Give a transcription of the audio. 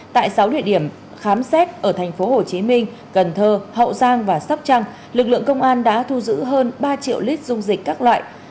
tại sáu địa điểm khám xét ở thành phố hồ chí minh cần thơ hậu giang và sắp trăng lực lượng công an đã thu giữ hơn ba triệu lít dung dịch các loại